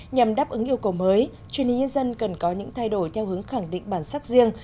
nhằm đáp ứng yêu cầu mới truyền hình nhân dân cần có những thay đổi theo hướng khẳng định bản sắc riêng